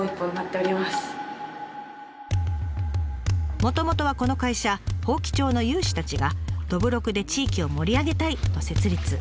もともとはこの会社伯耆町の有志たちがどぶろくで地域を盛り上げたいと設立。